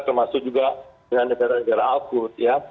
termasuk juga dengan negara negara output ya